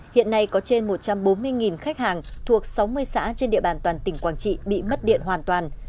hiện nay có trên một trăm bốn mươi khách hàng thuộc sáu mươi xã trên địa bàn toàn tỉnh quảng trị bị mất điện hoàn toàn